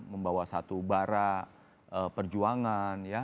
membawa satu bara perjuangan ya